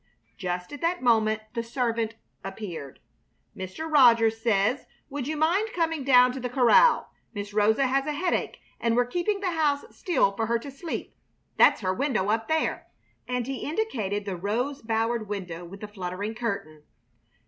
Just at that moment the servant appeared. "Mr. Rogers says would you mind coming down to the corral. Miss Rosa has a headache, and we're keeping the house still for her to sleep. That's her window up there " And he indicated the rose bowered window with the fluttering curtain.